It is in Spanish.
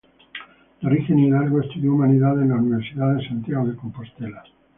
De origen hidalgo, estudió Humanidades en la Universidad de Santiago de Compostela.